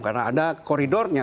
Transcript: karena ada koridornya